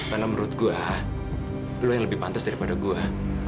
karena menurut gue lo yang lebih pantes daripada gue